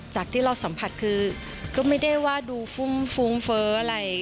จากที่เราสัมผัสคือก็ไม่ได้ว่าดูฟุ้งฟุ้งเฟ้ออะไร